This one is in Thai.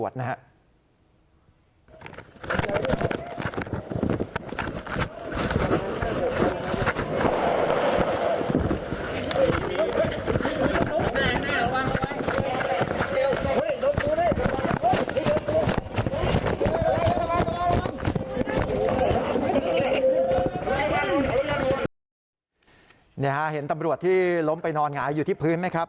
เห็นตำรวจที่ล้มไปนอนหงายอยู่ที่พื้นไหมครับ